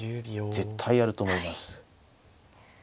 絶対やると思います。